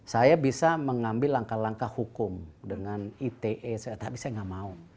saya bisa mengambil langkah langkah hukum dengan ite tapi saya nggak mau